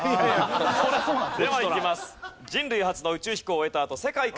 ではいきます。